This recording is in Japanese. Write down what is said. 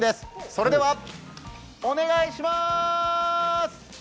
それでは、お願いします。